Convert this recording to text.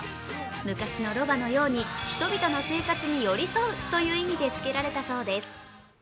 昔のロバのように人々の生活に寄り添うという意味でつけられたそうです。